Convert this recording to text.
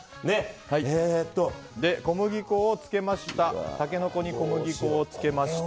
まず、タケノコに小麦粉をつけました。